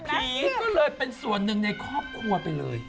ผีก็เลยเป็นส่วนหนึ่งในครอบครัวไปเลย